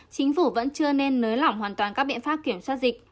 chính phủ vẫn chưa nên nới lỏng hoàn toàn các biện pháp kiểm soát dịch